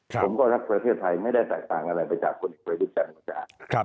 ผมก็รักประเทศไทยไม่ได้แตกต่างอะไรไปจากคนอื่นไปด้วยแบบนี้